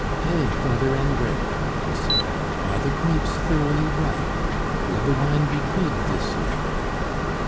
"Heh! Father André," he said, "are the grapes thoroughly ripe? Will the wine be good this year?"